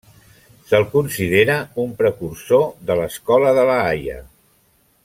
Se'l considera un precursor de l'Escola de La Haia.